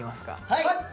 はい！